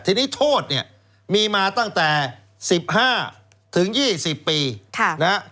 ทีนี้โทษเนี้ยมีมาตั้งแต่สิบห้าถึงยี่สิบปีค่ะนะฮะ